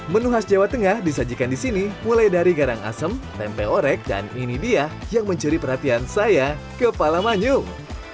menu khas jawa tengah disajikan di sini mulai dari garang asem tempe orek dan ini dia yang mencuri perhatian saya kepala manyung